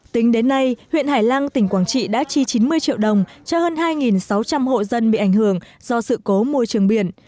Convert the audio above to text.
tính đến nay huyện hải lăng tỉnh quảng trị đã chi chín mươi triệu đồng cho hơn hai sáu trăm linh hộ dân bị ảnh hưởng do sự cố môi trường biển